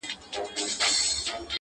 پیل لېوه ته په خندا سو ویل وروره،